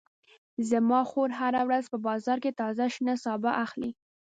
زما خور هره ورځ په بازار کې تازه شنه سابه اخلي